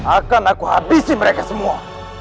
akan aku habisi mereka semua